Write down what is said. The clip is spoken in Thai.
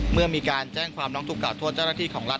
เมื่อมีการแจ้งความน้องทุกข์ดังค่าทั่วเจ้าระที่ของรัฐ